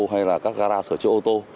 hay là các garage ở chỗ ô tô